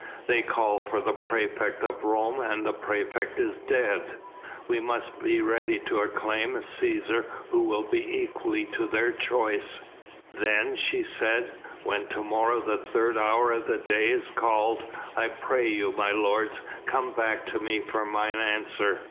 "They call for the praefect of Rome and the praefect is dead. We must be ready to acclaim a Cæsar who will be equally to their choice." "Then," she said, "when to morrow the third hour of the day is called, I pray you, my lords, come back to me for mine answer.